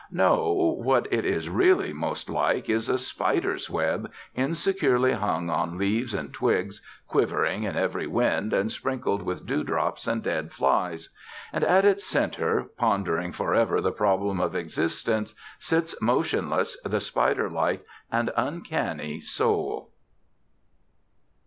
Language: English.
No, what it is really most like is a spider's web, insecurely hung on leaves and twigs, quivering in every wind, and sprinkled with dewdrops and dead flies. And at its center, pondering for ever the Problem of Existence, sits motionless the spider like and uncanny Soul.